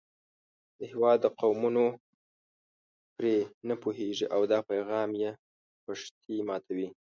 د هېواد قومونه پرې نه پوهېږي او دا پیغام یې پښتۍ ماتوي.